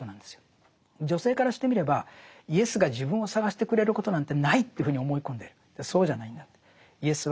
女性からしてみればイエスが自分を探してくれることなんてないというふうに思い込んでる。